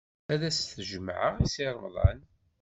Ad as-t-jemɛeɣ i Si Remḍan.